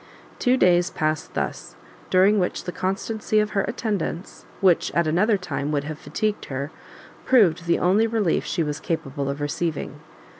Two days passed thus, during which the constancy of her attendance, which at another time would have fatigued her, proved the only relief she was capable of receiving.